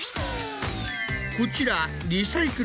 こちら。